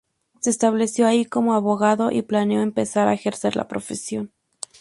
Se estableció allí como abogado y planeó empezar a ejercer la profesión.